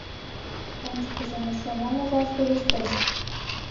Ончыкыжым эше мом ужаш верештеш?..